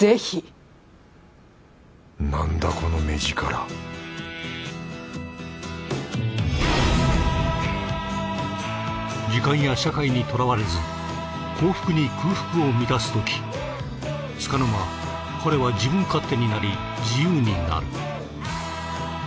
なんだこの目力時間や社会にとらわれず幸福に空腹を満たすときつかの間彼は自分勝手になり自由になる。